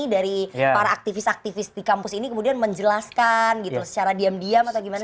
dari para aktivis aktivis di kampus ini kemudian menjelaskan gitu secara diam diam atau gimana